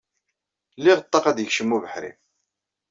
Ldiɣ ṭṭaq ad d-yekcem ubeḥri.